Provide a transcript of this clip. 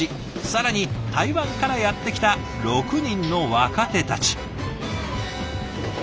更に台湾からやって来た６人の若手たち。